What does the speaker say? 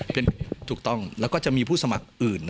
เป็นถูกต้องแล้วก็จะมีผู้สมัครอื่น